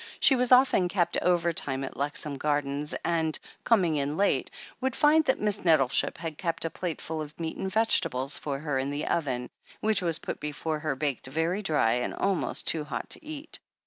She was often kept overtime at Lexham Gardens, and, coming in late, would find that Miss Nettleship had kept a plateful of meat and vegetables for her in the oven, which was put before her baked very dry and almost too hot to eat.